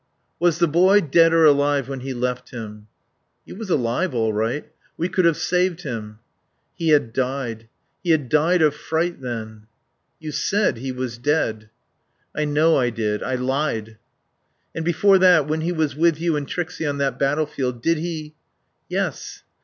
"Was the boy dead or alive when he left him?" "He was alive all right. We could have saved him." He had died he had died of fright, then. "You said he was dead." "I know I did. I lied." "... And before that when he was with you and Trixie on that battlefield Did he " "Yes.